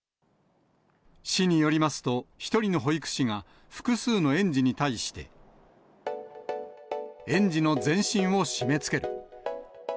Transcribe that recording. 市によりますと、１人の保育士が、複数の園児に対して、園児の全身を締めつける。